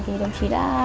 thì đồng chí đã